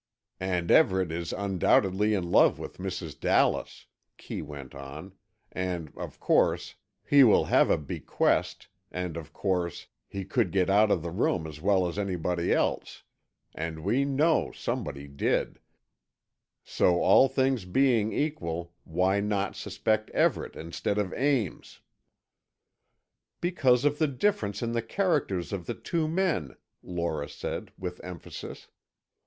"And Everett is undoubtedly in love with Mrs. Dallas," Kee went on, "and of course, he will have a bequest, and of course, he could get out of the room as well as anybody else, and we know somebody did, so all things being equal, why not suspect Everett instead of Ames?" "Because of the difference in the characters of the two men," Lora said, with emphasis.